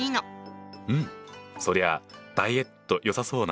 うんそりゃあダイエットよさそうな。